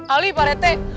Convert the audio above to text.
ali pak rt